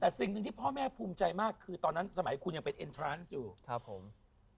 แต่สิ่งหนึ่งที่พ่อแม่ภูมิใจมากคือตอนนั้นสมัยคุณยังเป็นเอ็นทรานซ์อยู่ครับผม